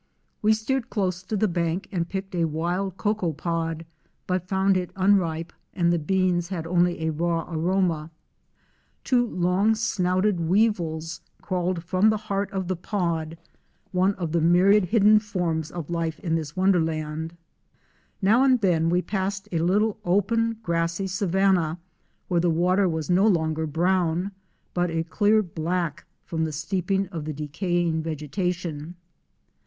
We steered close to the bank and picked a wild cocoa pod but found it unripe and the beans had only a raw aroma. 'Two long snouted weevils crawled Fic. 9t. WAKE OF A MANATEE SWIMMING UP RIVER. from the heart of the pod, one of the myriad hidden forms of life of this wonderland. Now and then we passed a little open grassy savanna where the water was no longer brown, but a clear black from the steeping of the decaying vegetation.